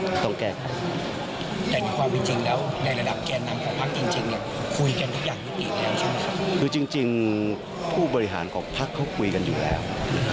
คือจริงผู้บริหารของพักเขาคุยกันอยู่แล้ว